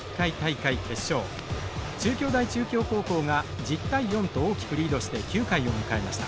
中京大中京高校が１０対４と大きくリードして９回を迎えました。